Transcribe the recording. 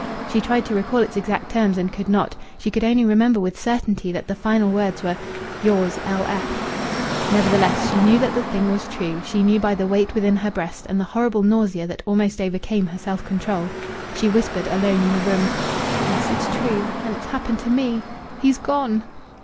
She tried to recall its exact terms, and could not. She could only remember with certainty that the final words were "Yours, L.F." Nevertheless, she knew that the thing was true; she knew by the weight within her breast and the horrible nausea that almost overcame her self control. She whispered, alone in the room "Yes, it's true! And it's happened to me!... He's gone!"